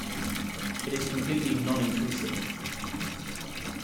It is completely non-intrusive.